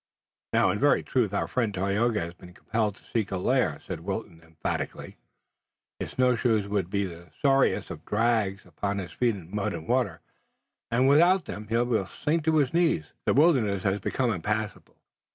"Now, in very truth, our friend Tayoga has been compelled to seek a lair," said Wilton emphatically. "His snow shoes would be the sorriest of drags upon his feet in mud and water, and without them he will sink to his knees. The wilderness has become impassable."